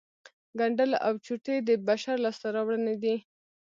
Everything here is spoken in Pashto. ګنډل او چوټې د بشر لاسته راوړنې دي